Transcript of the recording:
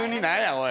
おい。